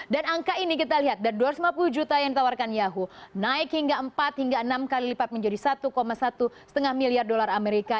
dan angka ini kita lihat dua ratus lima puluh juta yang ditawarkan yahoo naik hingga empat hingga enam kali lipat menjadi satu satu setengah miliar dolar amerika